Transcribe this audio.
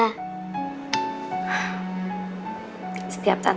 tante itu inget terus sama anak tante